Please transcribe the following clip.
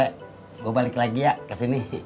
soalnya gua balik lagi ya kesini